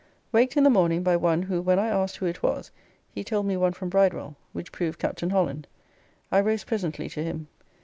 Waked in the morning by one who when I asked who it was, he told me one from Bridewell, which proved Captain Holland. I rose presently to him.